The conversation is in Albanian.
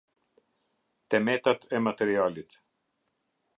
Te metat e materialit.